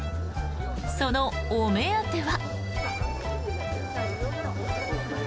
そのお目当ては。